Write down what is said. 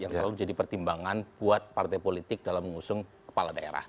yang selalu jadi pertimbangan buat partai politik dalam mengusung kepala daerah